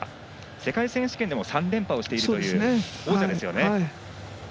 世界選手権でも３連覇をしている王者ですよね。